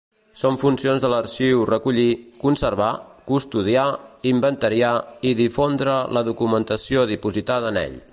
Són funcions de l’arxiu recollir, conservar, custodiar, inventariar i difondre la documentació dipositada en ell.